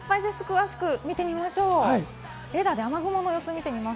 詳しくみていきましょう。